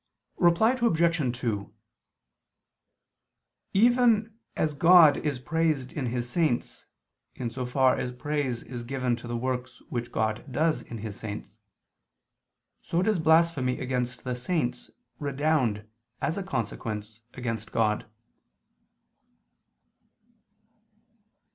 Reply Obj. 2: Even as God is praised in His saints, in so far as praise is given to the works which God does in His saints, so does blasphemy against the saints, redound, as a consequence, against God.